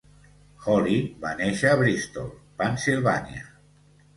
Holly va néixer a Bristol, Pennsilvània.